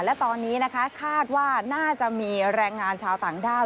และตอนนี้นะคะคาดว่าน่าจะมีแรงงานชาวต่างด้าว